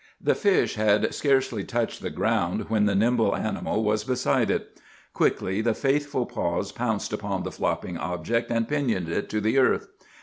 The fish had scarcely touched the ground when the nimble animal was beside it. Quickly the faithful paws pounced upon the flopping object and pinioned it to the earth.